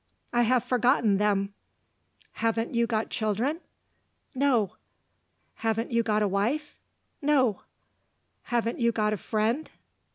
"I have forgotten them." "Haven't you got children?" "No." "Haven't you got a wife?" "No." "Haven't you got a friend?"